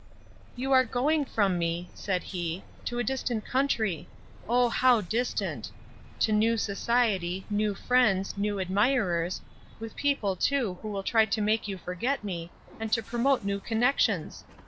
"You are going from me," said he, "to a distant country, O how distant!—to new society, new friends, new admirers, with people too, who will try to make you forget me, and to promote new connections!